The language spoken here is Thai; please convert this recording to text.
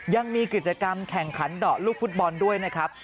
ยังมีกิจกรรมแข่งขันเดาะลูกฟุตบอลด้วยนะครับ